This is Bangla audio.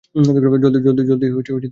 জলদিই চিনে ফেলবে।